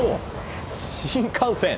新幹線。